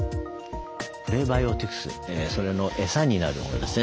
プレバイオティクスそれのエサになるものですね